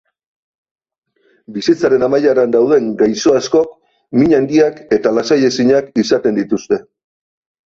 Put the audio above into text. Bizitzaren amaieran dauden gaixo askok min handiak eta lasai-ezinak izaten dituzte.